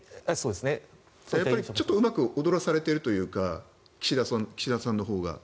ちょっとうまく踊らされているというか岸田さんのほうが。